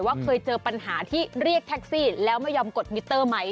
เคยเจอปัญหาที่เรียกแท็กซี่แล้วไม่ยอมกดมิเตอร์ไหม